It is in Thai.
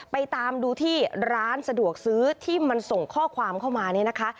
ไปตามดูที่ร้านสะดวกซื้อที่มันส่งข้อความเข้ามา